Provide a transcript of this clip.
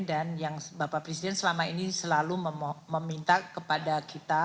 dan yang bapak presiden selama ini selalu meminta kepada kita